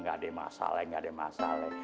gak ada masalah gak ada masalah